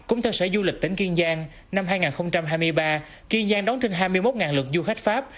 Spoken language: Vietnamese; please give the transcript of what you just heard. cũng theo sở du lịch tỉnh kiên giang năm hai nghìn hai mươi ba kiên giang đón trên hai mươi một lượt du khách pháp